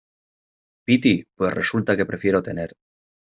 piti, pues resulta que prefiero tener